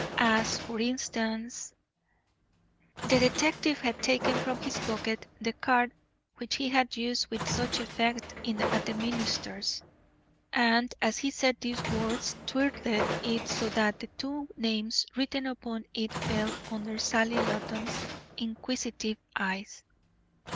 "As, for instance " The detective had taken from his pocket the card which he had used with such effect at the minister's, and as he said these words twirled it so that the two names written upon it fell under Sally Loton's inquisitive eyes.